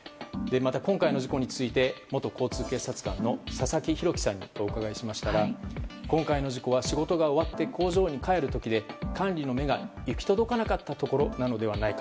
また、今回の事故について元交通警察官の佐々木尋貴さんにお伺いしましたら今回の事故は仕事が終わって工場に帰る時で管理の目が行き届かなかったところなのではないか。